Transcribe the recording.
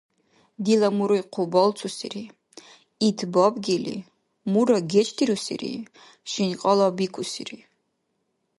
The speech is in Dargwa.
Дила муруй хъу балцусири, ит бабгили, мура гечдирусири, шинкьала бикусири.